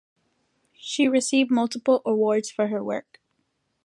She received multiple awards for her work.